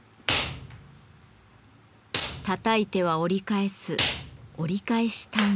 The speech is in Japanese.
たたいては折り返す「折り返し鍛錬」。